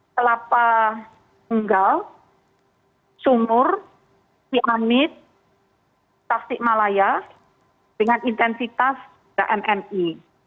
telapah tunggal sumur kiamit takstik malayas dengan intensitas tiga nmi